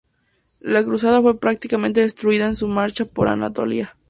La Cruzada fue prácticamente destruida en su marcha por Anatolia.